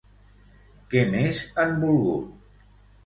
Què més han volgut?